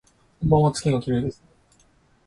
こんばんわ、月がきれいですね